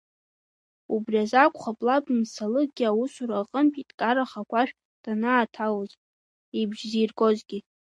Убри азакәхап лаб Мсалыгьы аусура аҟынтәи дкараха агәашә данааҭалоз, ибжь зиргозгьы.